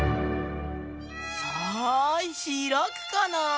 さあひらくかなぁ？